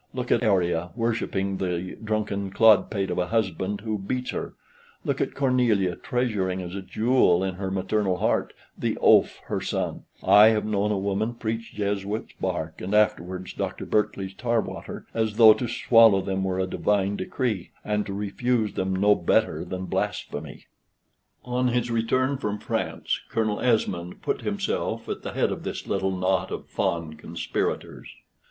Look at Arria worshipping the drunken clodpate of a husband who beats her; look at Cornelia treasuring as a jewel in her maternal heart the oaf her son; I have known a woman preach Jesuit's bark, and afterwards Dr. Berkeley's tar water, as though to swallow them were a divine decree, and to refuse them no better than blasphemy. On his return from France Colonel Esmond put himself at the head of this little knot of fond conspirators.